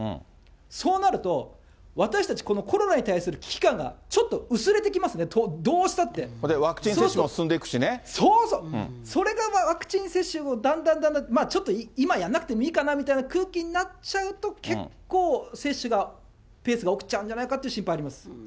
そうなると、私たちこのコロナに対する危機感がちょっと薄れてきますね、どうワクチン接種も進んでいくしそうそう、それがワクチン接種も、だんだんだんだんちょっと今、やんなくてもいいかなみたいな空気になっちゃうと、結構、接種がペースが落ちちゃうんじゃないかという心配があります。